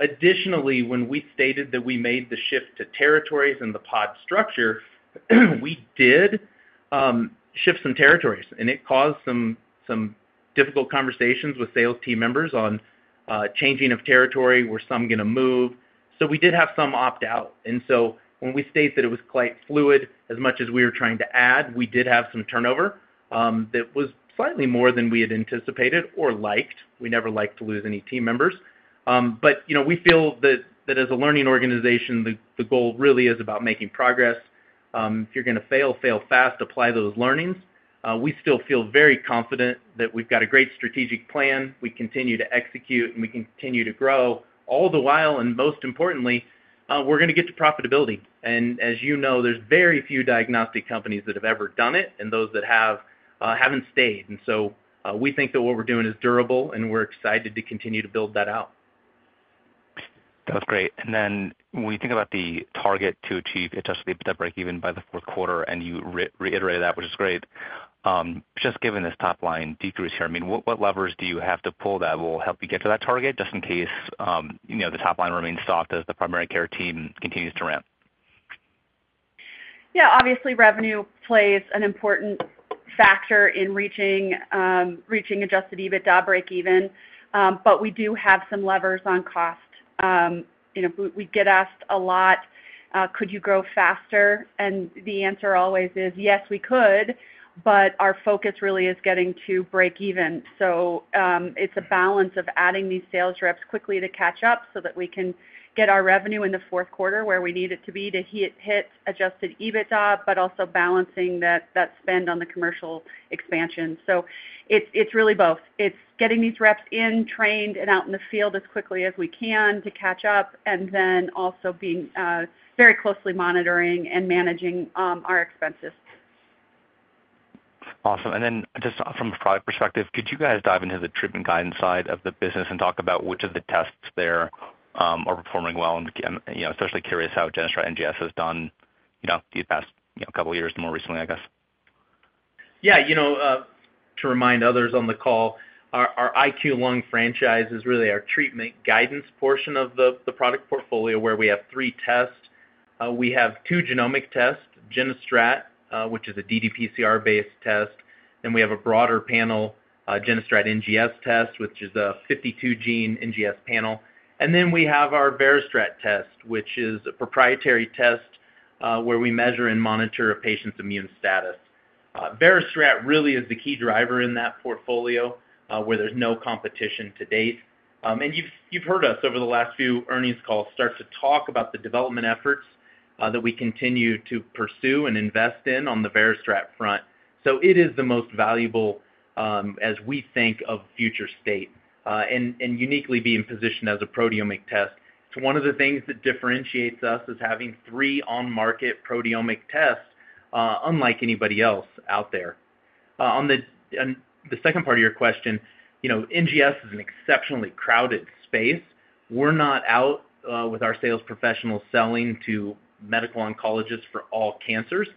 Additionally, when we stated that we made the shift to territories and the pod structure, we did shift some territories. It caused some difficult conversations with sales team members on changing of territory. Were some going to move? We did have some opt-out. When we stated that it was quite fluid, as much as we were trying to add, we did have some turnover that was slightly more than we had anticipated or liked. We never like to lose any team members. We feel that as a learning organization, the goal really is about making progress. If you are going to fail, fail fast, apply those learnings. We still feel very confident that we have got a great strategic plan. We continue to execute, and we continue to grow. All the while, and most importantly, we are going to get to profitability. As you know, there are very few diagnostic companies that have ever done it, and those that have have not stayed. We think that what we are doing is durable, and we are excited to continue to build that out. That was great. When we think about the target to achieve a test of the epidemic even by the fourth quarter, and you reiterated that, which is great. Just given this top-line decrease here, I mean, what levers do you have to pull that will help you get to that target just in case the top-line remains soft as the primary care team continues to ramp? Yeah. Obviously, revenue plays an important factor in reaching adjusted EBITDA break-even. We do have some levers on cost. We get asked a lot, "Could you grow faster?" The answer always is, "Yes, we could," but our focus really is getting to break-even. It's a balance of adding these sales reps quickly to catch up so that we can get our revenue in the fourth quarter where we need it to be to hit adjusted EBITDA, but also balancing that spend on the commercial expansion. It's really both. It's getting these reps in, trained, and out in the field as quickly as we can to catch up, and then also very closely monitoring and managing our expenses. Awesome. Just from a product perspective, could you guys dive into the treatment guidance side of the business and talk about which of the tests there are performing well? Especially curious how GeneStrat NGS has done these past couple of years and more recently, I guess. Yeah. To remind others on the call, our IQ Lung franchise is really our treatment guidance portion of the product portfolio where we have three tests. We have two genomic tests, Genestrat, which is a ddPCR-based test, and we have a broader panel, Genestrat NGS test, which is a 52-gene NGS panel. We have our Veristrat test, which is a proprietary test where we measure and monitor a patient's immune status. Veristrat really is the key driver in that portfolio where there's no competition to date. You have heard us over the last few earnings calls start to talk about the development efforts that we continue to pursue and invest in on the Veristrat front. It is the most valuable, as we think, of future state and uniquely be in position as a proteomic test. It's one of the things that differentiates us as having three on-market proteomic tests, unlike anybody else out there. On the second part of your question, NGS is an exceptionally crowded space. We're not out with our sales professionals selling to medical oncologists for all cancers.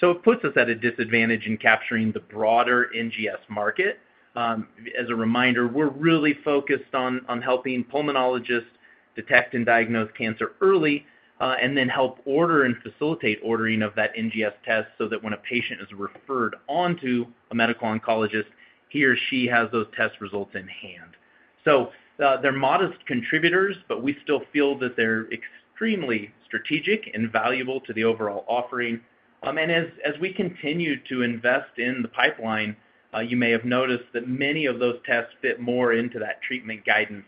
It puts us at a disadvantage in capturing the broader NGS market. As a reminder, we're really focused on helping pulmonologists detect and diagnose cancer early and then help order and facilitate ordering of that NGS test so that when a patient is referred onto a medical oncologist, he or she has those test results in hand. They're modest contributors, but we still feel that they're extremely strategic and valuable to the overall offering. As we continue to invest in the pipeline, you may have noticed that many of those tests fit more into that treatment guidance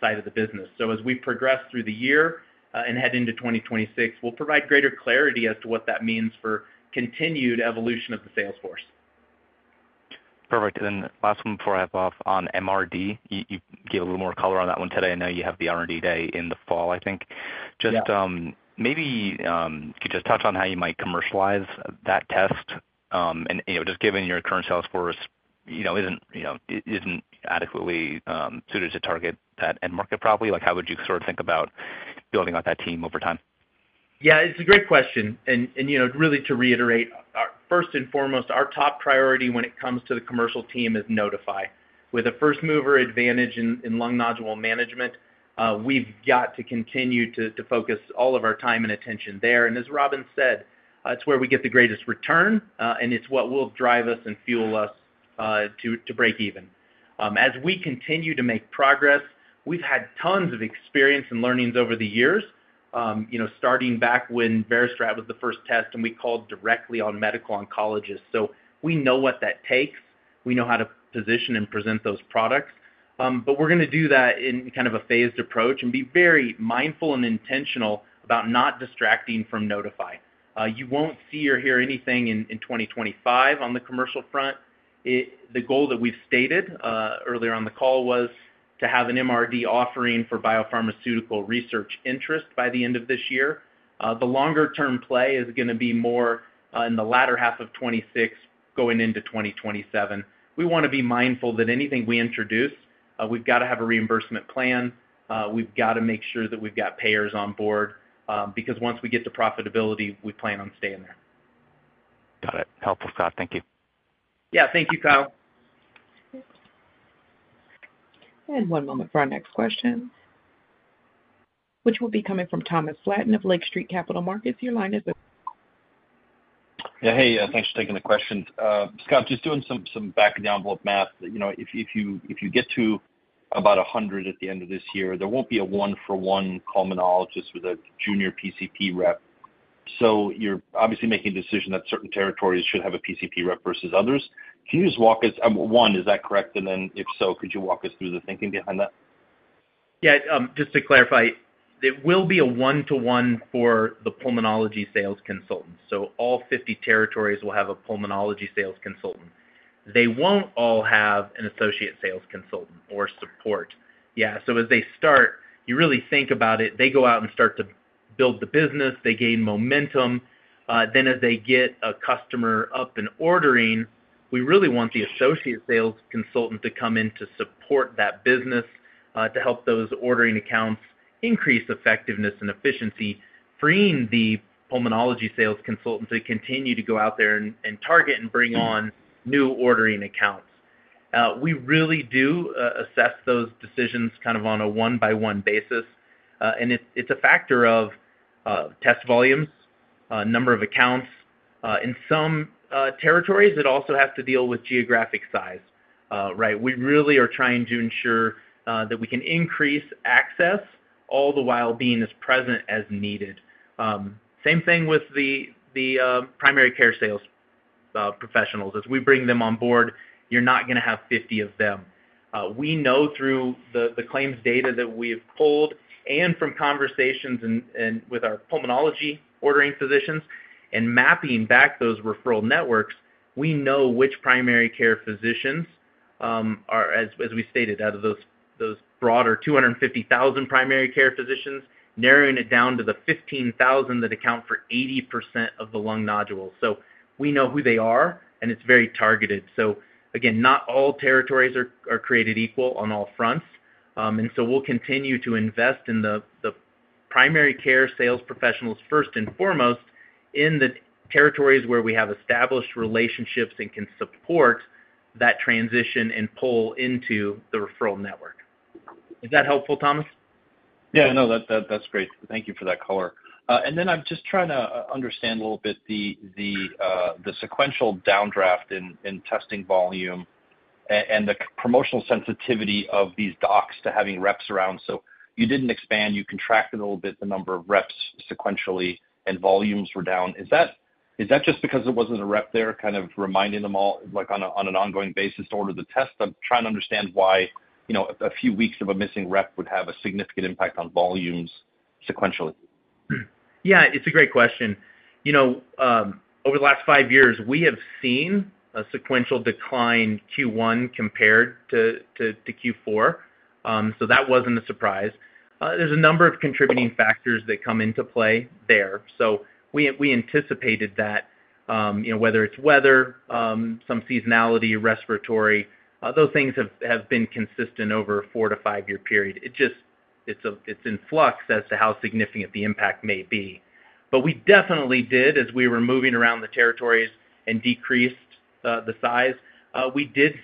side of the business. As we progress through the year and head into 2026, we'll provide greater clarity as to what that means for continued evolution of the Salesforce. Perfect. Last one before I wrap up on MRD, you gave a little more color on that one today. I know you have the R&D day in the fall, I think. Maybe could you just touch on how you might commercialize that test? Just given your current Salesforce isn't adequately suited to target that end market, probably. How would you sort of think about building out that team over time? Yeah. It's a great question. Really to reiterate, first and foremost, our top priority when it comes to the commercial team is Nodify. With a first mover advantage in lung nodule management, we've got to continue to focus all of our time and attention there. As Robin said, it's where we get the greatest return, and it's what will drive us and fuel us to break even. As we continue to make progress, we've had tons of experience and learnings over the years, starting back when VeriStrat was the first test and we called directly on medical oncologists. We know what that takes. We know how to position and present those products. We're going to do that in kind of a phased approach and be very mindful and intentional about not distracting from Nodify. You won't see or hear anything in 2025 on the commercial front. The goal that we've stated earlier on the call was to have an MRD offering for biopharmaceutical research interest by the end of this year. The longer-term play is going to be more in the latter half of 2026 going into 2027. We want to be mindful that anything we introduce, we've got to have a reimbursement plan. We've got to make sure that we've got payers on board because once we get to profitability, we plan on staying there. Got it. Helpful, Scott. Thank you. Yeah. Thank you, Kyle. One moment for our next question, which will be coming from Thomas Flaten of Lake Street Capital Markets. Your line is up. Yeah. Hey, thanks for taking the questions. Scott, just doing some back-of-the-envelope math. If you get to about 100 at the end of this year, there won't be a one-for-one pulmonologist with a junior PCP rep. So you're obviously making a decision that certain territories should have a PCP rep versus others. Can you just walk us one, is that correct? And then if so, could you walk us through the thinking behind that? Yeah. Just to clarify, there will be a one-to-one for the pulmonology sales consultants. So all 50 territories will have a pulmonology sales consultant. They will not all have an associate sales consultant or support. Yeah. As they start, you really think about it. They go out and start to build the business. They gain momentum. Then as they get a customer up and ordering, we really want the associate sales consultant to come in to support that business to help those ordering accounts increase effectiveness and efficiency, freeing the pulmonology sales consultant to continue to go out there and target and bring on new ordering accounts. We really do assess those decisions kind of on a one-by-one basis. It is a factor of test volumes, number of accounts. In some territories, it also has to deal with geographic size, right? We really are trying to ensure that we can increase access all the while being as present as needed. Same thing with the primary care sales professionals. As we bring them on board, you're not going to have 50 of them. We know through the claims data that we have pulled and from conversations with our pulmonology ordering physicians and mapping back those referral networks, we know which primary care physicians are, as we stated, out of those broader 250,000 primary care physicians, narrowing it down to the 15,000 that account for 80% of the lung nodules. We know who they are, and it's very targeted. Again, not all territories are created equal on all fronts. We will continue to invest in the primary care sales professionals first and foremost in the territories where we have established relationships and can support that transition and pull into the referral network. Is that helpful, Thomas? Yeah. No, that's great. Thank you for that color. I am just trying to understand a little bit the sequential down draft in testing volume and the promotional sensitivity of these docs to having reps around. You did not expand. You contracted a little bit the number of reps sequentially, and volumes were down. Is that just because there was not a rep there kind of reminding them all on an ongoing basis to order the test? I am trying to understand why a few weeks of a missing rep would have a significant impact on volumes sequentially. Yeah. It's a great question. Over the last five years, we have seen a sequential decline Q1 compared to Q4. That was not a surprise. There are a number of contributing factors that come into play there. We anticipated that, whether it is weather, some seasonality, respiratory, those things have been consistent over a four to five-year period. It is in flux as to how significant the impact may be. We definitely did, as we were moving around the territories and decreased the size,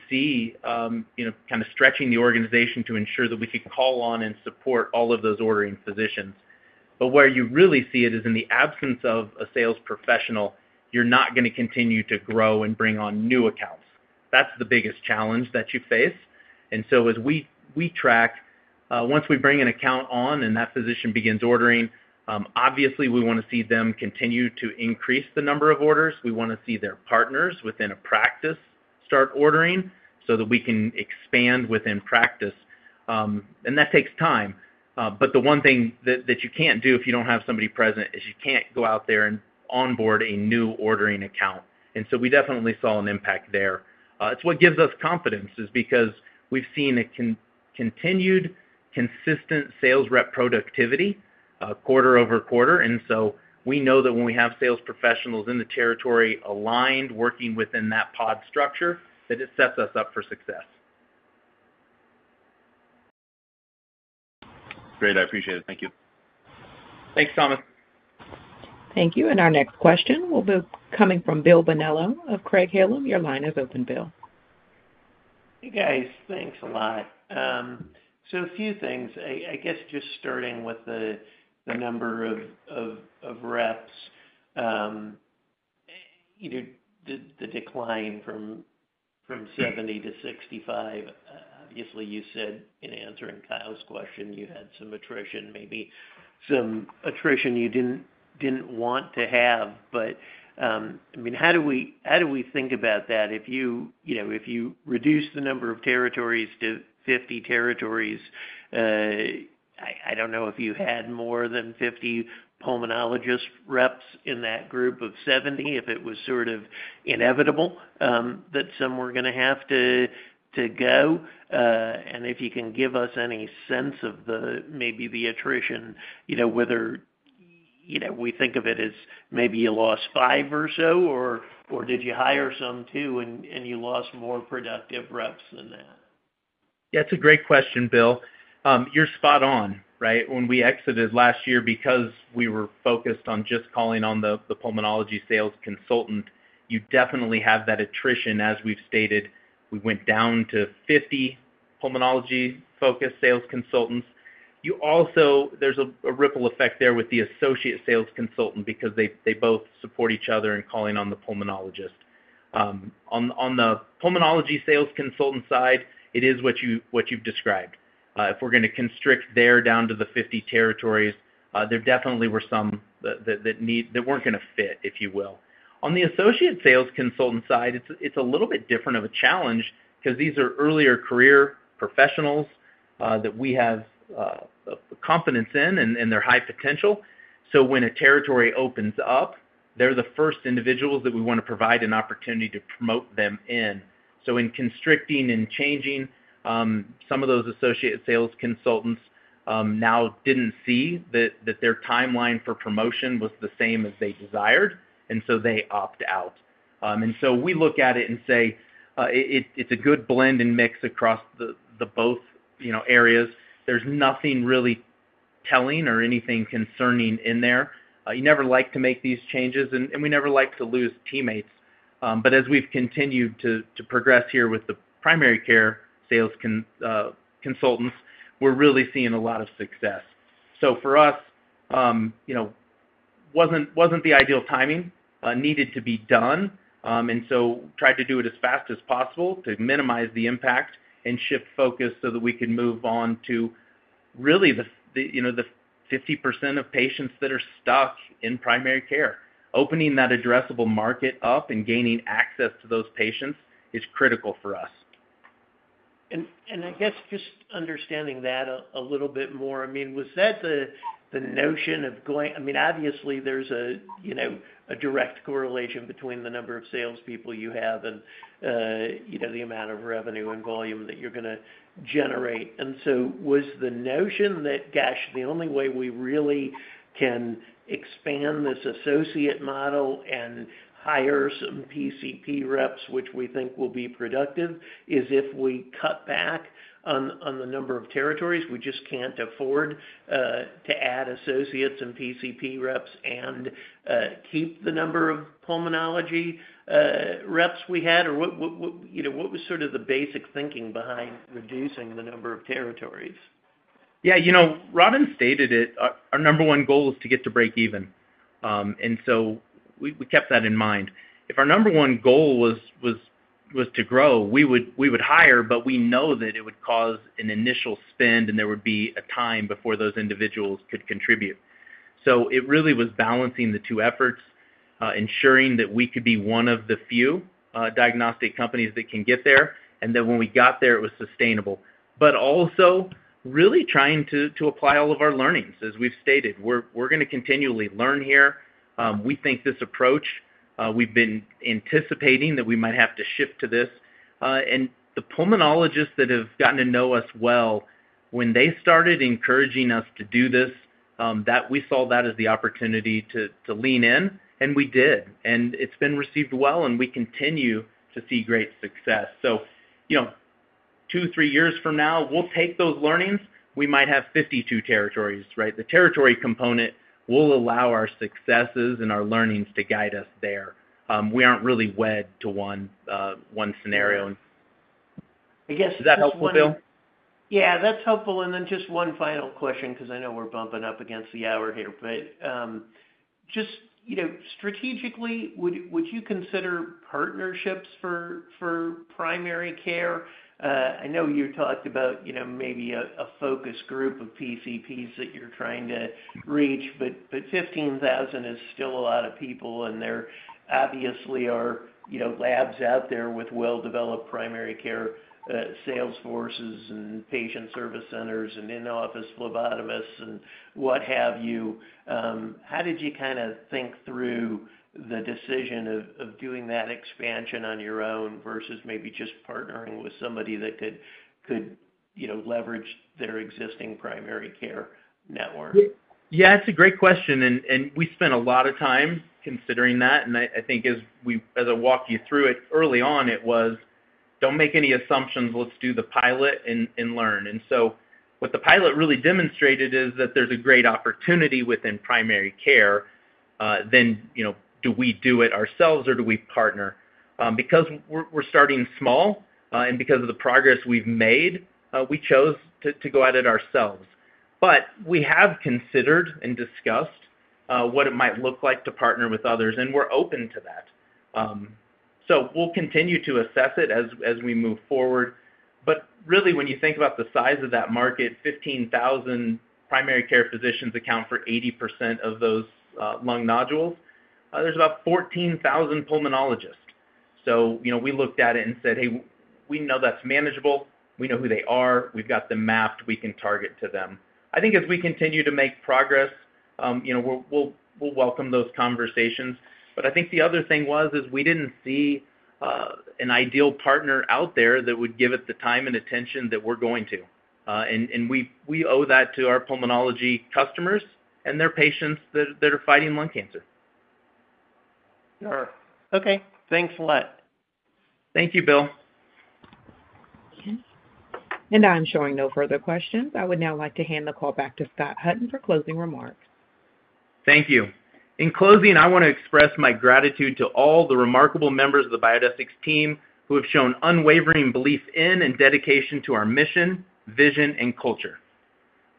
see kind of stretching the organization to ensure that we could call on and support all of those ordering physicians. Where you really see it is in the absence of a sales professional, you are not going to continue to grow and bring on new accounts. That is the biggest challenge that you face. As we track, once we bring an account on and that physician begins ordering, obviously, we want to see them continue to increase the number of orders. We want to see their partners within a practice start ordering so that we can expand within practice. That takes time. The one thing that you cannot do if you do not have somebody present is you cannot go out there and onboard a new ordering account. We definitely saw an impact there. What gives us confidence is because we have seen a continued, consistent sales rep productivity quarter-over-quarter. We know that when we have sales professionals in the territory aligned, working within that pod structure, it sets us up for success. Great. I appreciate it. Thank you. Thanks, Thomas. Thank you. Our next question will be coming from Bill Bonello of Craig-Hallum. Your line is open, Bill. Hey, guys. Thanks a lot. A few things. I guess just starting with the number of reps, the decline from 70-65, obviously, you said in answering Kyle's question, you had some attrition, maybe some attrition you did not want to have. I mean, how do we think about that? If you reduce the number of territories to 50 territories, I do not know if you had more than 50 pulmonologist reps in that group of 70, if it was sort of inevitable that some were going to have to go. If you can give us any sense of maybe the attrition, whether we think of it as maybe you lost five or so, or did you hire some too and you lost more productive reps than that? Yeah. It's a great question, Bill. You're spot on, right? When we exited last year, because we were focused on just calling on the pulmonology sales consultant, you definitely have that attrition. As we've stated, we went down to 50 pulmonology-focused sales consultants. There's a ripple effect there with the associate sales consultant because they both support each other in calling on the pulmonologist. On the pulmonology sales consultant side, it is what you've described. If we're going to constrict there down to the 50 territories, there definitely were some that weren't going to fit, if you will. On the associate sales consultant side, it's a little bit different of a challenge because these are earlier career professionals that we have confidence in, and they're high potential. When a territory opens up, they're the first individuals that we want to provide an opportunity to promote them in. In constricting and changing, some of those associate sales consultants now did not see that their timeline for promotion was the same as they desired, and so they opt out. We look at it and say it is a good blend and mix across both areas. There is nothing really telling or anything concerning in there. You never like to make these changes, and we never like to lose teammates. As we have continued to progress here with the primary care sales consultants, we are really seeing a lot of success. For us, it was not the ideal timing. It needed to be done. We tried to do it as fast as possible to minimize the impact and shift focus so that we could move on to really the 50% of patients that are stuck in primary care. Opening that addressable market up and gaining access to those patients is critical for us. I guess just understanding that a little bit more, I mean, was that the notion of going, I mean, obviously, there's a direct correlation between the number of salespeople you have and the amount of revenue and volume that you're going to generate. Was the notion that, gosh, the only way we really can expand this associate model and hire some PCP reps, which we think will be productive, is if we cut back on the number of territories? We just can't afford to add associates and PCP reps and keep the number of pulmonology reps we had. What was sort of the basic thinking behind reducing the number of territories? Yeah. You know, Robin stated it. Our number one goal is to get to break even. We kept that in mind. If our number one goal was to grow, we would hire, but we know that it would cause an initial spend, and there would be a time before those individuals could contribute. It really was balancing the two efforts, ensuring that we could be one of the few diagnostic companies that can get there, and then when we got there, it was sustainable. Also, really trying to apply all of our learnings. As we've stated, we're going to continually learn here. We think this approach, we've been anticipating that we might have to shift to this. The pulmonologists that have gotten to know us well, when they started encouraging us to do this, we saw that as the opportunity to lean in, and we did. It has been received well, and we continue to see great success. Two, three years from now, we'll take those learnings. We might have 52 territories, right? The territory component will allow our successes and our learnings to guide us there. We aren't really wed to one scenario. Is that helpful, Bill? Yeah. That's helpful. Just one final question because I know we're bumping up against the hour here. Just strategically, would you consider partnerships for primary care? I know you talked about maybe a focus group of PCPs that you're trying to reach, but 15,000 is still a lot of people, and there obviously are labs out there with well-developed primary care sales forces and patient service centers and in-office phlebotomists and what have you. How did you kind of think through the decision of doing that expansion on your own versus maybe just partnering with somebody that could leverage their existing primary care network? Yeah. It's a great question. We spent a lot of time considering that. I think as I walked you through it early on, it was, "Don't make any assumptions. Let's do the pilot and learn." What the pilot really demonstrated is that there's a great opportunity within primary care. Then do we do it ourselves, or do we partner? Because we're starting small, and because of the progress we've made, we chose to go at it ourselves. We have considered and discussed what it might look like to partner with others, and we're open to that. We will continue to assess it as we move forward. Really, when you think about the size of that market, 15,000 primary care physicians account for 80% of those lung nodules. There are about 14,000 pulmonologists. We looked at it and said, "Hey, we know that's manageable. We know who they are. We've got them mapped. We can target to them. I think as we continue to make progress, we'll welcome those conversations. I think the other thing was is we didn't see an ideal partner out there that would give it the time and attention that we're going to. We owe that to our pulmonology customers and their patients that are fighting lung cancer. Sure. Okay. Thanks a lot. Thank you, Bill. I'm showing no further questions. I would now like to hand the call back to Scott Hutton for closing remarks. Thank you. In closing, I want to express my gratitude to all the remarkable members of the Biodesix team who have shown unwavering belief in and dedication to our mission, vision, and culture.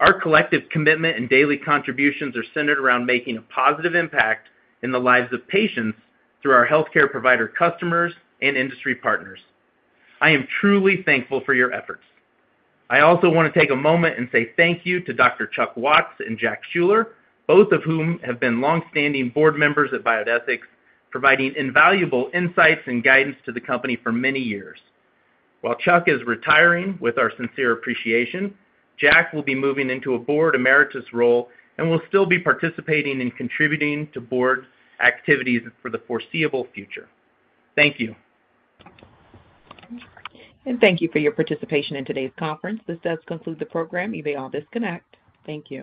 Our collective commitment and daily contributions are centered around making a positive impact in the lives of patients through our healthcare provider customers and industry partners. I am truly thankful for your efforts. I also want to take a moment and say thank you to Dr. Chuck Watts and Jack Schuler, both of whom have been longstanding board members at Biodesix, providing invaluable insights and guidance to the company for many years. While Chuck is retiring with our sincere appreciation, Jack will be moving into a board emeritus role and will still be participating in contributing to board activities for the foreseeable future. Thank you. Thank you for your participation in today's conference. This does conclude the program. You may all disconnect. Thank you.